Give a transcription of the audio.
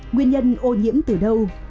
nguyên nhân ô nhiễm từ đâu